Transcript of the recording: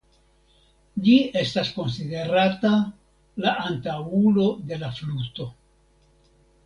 Ĝi estas konsiderata la antaŭulo de la fluto.